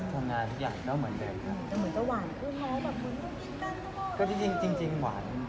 แต่ก็ทำงานทุกอย่างก็เหมือนเดิมค่ะ